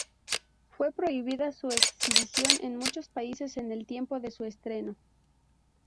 Fue prohibida su exhibición en muchos países en el tiempo de su estreno.